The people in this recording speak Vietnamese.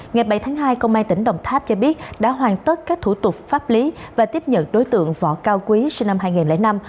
ngày bảy tháng hai công an tỉnh đồng tháp cho biết đã hoàn tất các thủ tục pháp lý và tiếp nhận đối tượng võ cao quý sinh năm hai nghìn năm